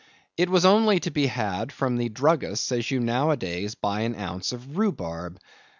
It was only to be had from the druggists as you nowadays buy an ounce of rhubarb.